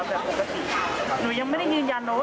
ได้คุยกับที่เจ้าหน้าที่สาขนาดสุข